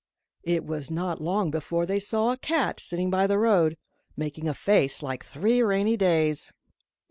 It was not long before they saw a cat sitting by the road, making a face like three rainy days.